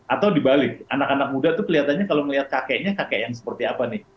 atau dibalik anak anak muda itu kelihatannya kalau melihat kakeknya kakek yang seperti apa nih